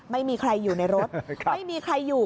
ไม่มีใครอยู่ในรถไม่มีใครอยู่